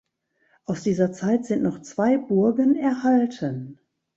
Aus dieser Zeit sind noch zwei Burgen erhalten.